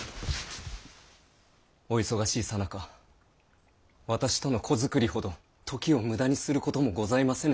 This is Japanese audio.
お忙しいさなか私との子作りほど時を無駄にすることもございませぬかと！